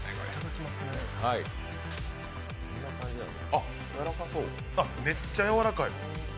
あっ、めっちゃやわらかい。